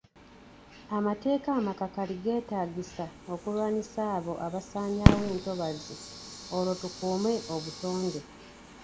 Amateeka amakakali getaagisa okulwanyisa abo abasanyaawo entobazi, olwo tukuume obutonde.